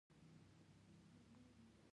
اغزي د کاکتوس د اوبو ساتنه کوي